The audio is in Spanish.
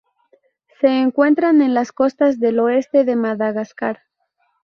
Se encuentran en las costas del oeste de Madagascar.